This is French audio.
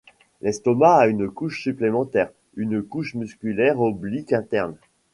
L'estomac a une couche supplémentaire, une couche musculaire oblique interne.